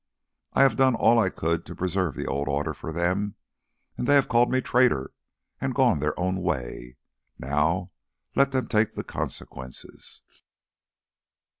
I have done all I could to preserve the old order for them, and they have called me traitor and gone their own way. Now let them take the consequences."